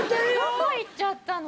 どこ行っちゃったの？